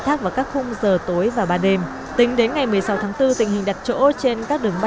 thác vào các khung giờ tối và ba đêm tính đến ngày một mươi sáu tháng bốn tình hình đặt chỗ trên các đường